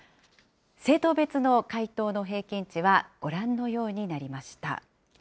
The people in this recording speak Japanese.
政党別の回答の平均値は、ご覧のようになりました。